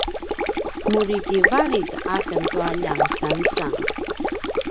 muri kivalit aken tua ljansansan